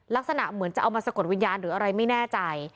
ลักษณะเหมือนจะเอามาสะกดวิญญาณหรืออะไรไม่แน่ใจ